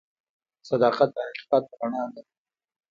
صداقت د حقیقت رڼا ده.